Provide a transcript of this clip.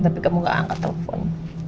tapi kamu gak angkat telepon